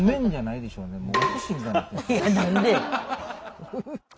いや何で。